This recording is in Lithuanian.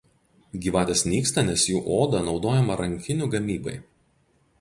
Gyvatės nyksta nes jų oda naudojama rankinių gamybai.